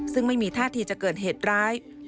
ซึ่งไม่มีท่าทีจะเกิดเหตุร้าย